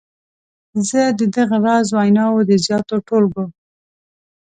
زه د دغه راز ویناوو د زیاتو ټولګو.